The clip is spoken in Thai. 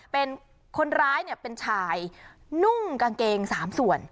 เป็นคนร้ายเป็นชายนุ่งกางเกง๓ส่วน